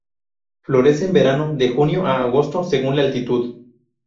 Florece en verano, de junio a agosto, según la altitud.